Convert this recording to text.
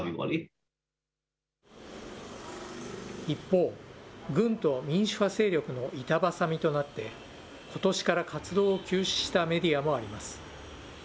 一方、軍と民主派勢力の板挟みとなって、ことしから活動を休止したメディアもあります。